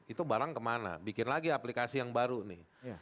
itu barang kemana bikin lagi aplikasi yang baru nih